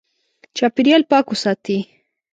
چاپېریال پاک وساتې.